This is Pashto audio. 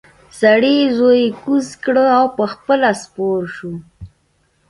سړي زوی کوز کړ او پخپله سپور شو.